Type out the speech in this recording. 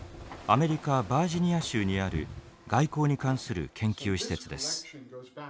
アメリカ・バージニア州にある外交に関する研究施設です。